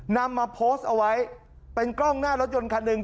นำมาโพสต์เอาไว้เป็นกล้องหน้ารถยนต์คันหนึ่ง